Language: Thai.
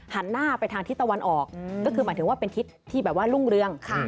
หันหน้าไปทางทิศตะวันออกก็คือหมายถึงว่าเป็นทิศที่แบบว่ารุ่งเรือง